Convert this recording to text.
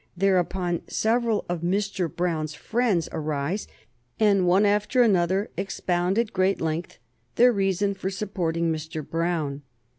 Thereupon several of Mr. Brown's friends arise, and one after another expound, at great length, their reason for supporting Mr. Brown.